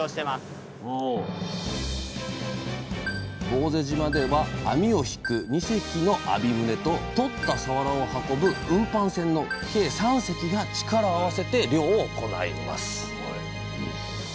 坊勢島では網を引く２隻の「網船」ととったさわらを運ぶ「運搬船」の計３隻が力を合わせて漁を行います。